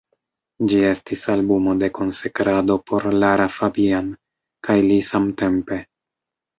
Ĝi estis albumo de konsekrado por Lara Fabian kaj li samtempe.